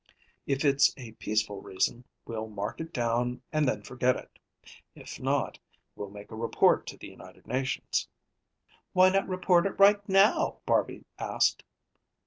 If it's a peaceful reason, we'll mark it down and then forget it. If not, we'll make a report to the United Nations." "Why not report it right now?" Barby asked.